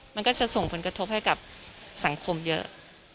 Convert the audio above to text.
มันก็จะส่งผลกระทบให้กับสังคมเยอะ